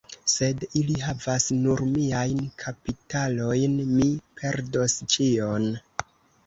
Sed ili havas nur miajn kapitalojn, mi perdos ĉion.